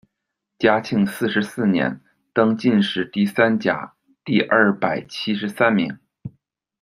嘉靖四十四年，登进士第三甲第二百七十三名。